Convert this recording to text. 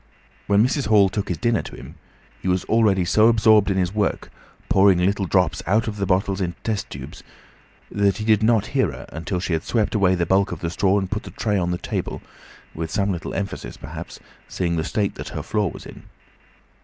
When Mrs. Hall took his dinner in to him, he was already so absorbed in his work, pouring little drops out of the bottles into test tubes, that he did not hear her until she had swept away the bulk of the straw and put the tray on the table, with some little emphasis perhaps, seeing the state that the floor was in.